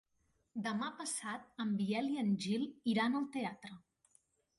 Demà passat en Biel i en Gil iran al teatre.